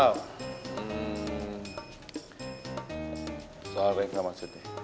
oh soal apa yang kamu maksudnya